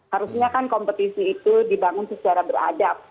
harusnya kan kompetisi itu dibangun secara beradab